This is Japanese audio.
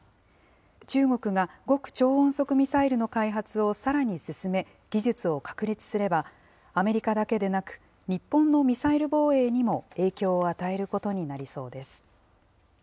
中国が極超音速ミサイルの開発をさらに進め、技術を確立すれば、アメリカだけでなく、日本のミサイル防衛にも影響を与えることになりそうです。